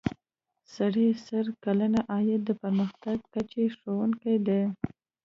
سړي سر کلنی عاید د پرمختګ کچې ښودونکی دی.